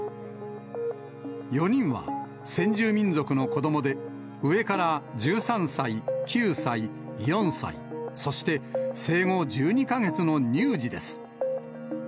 ４人は、先住民族の子どもで、上から１３歳、９歳、４歳、そして生後１２か月の乳児です。